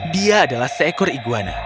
dia adalah seekor iguana